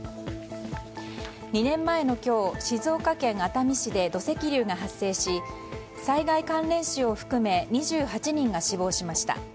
２年前の今日、静岡県熱海市で土石流が発生し災害関連死を含め２８人が死亡しました。